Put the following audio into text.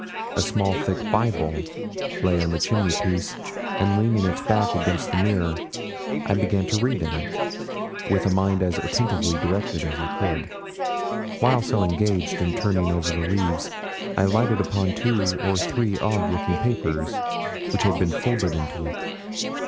A small thick Bible lay on the chimneypiece, and leaning its back against the mirror, I began to read in it with a mind as attentively directed as I could. While so engaged in turning over the leaves, I lighted upon two or three odd looking papers, which had been folded into it.